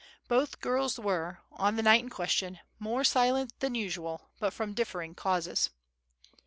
Both the girls were, on the night in question, more silent than usual, but from different causes.